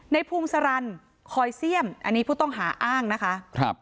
ในภูมิสารันคอยเสี่ยมอันนี้ผู้ต้องหาอ้างนะคะครับ